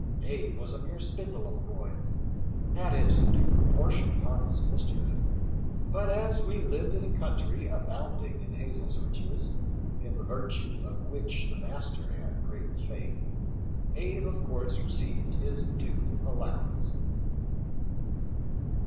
Abe was a mere spindle of a boy, had his due proportion of harmless mis chief, but as we lived in a country abounding in hazel switches, in the virtue of which the master had great faith, Abe of course received his due allowance."